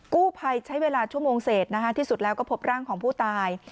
กู้ภัยใช้เวลาชั่วโมงเศษที่สุดแล้วก็พบร่างของผู้ตาย